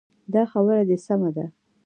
دا خبره دې سمه ده.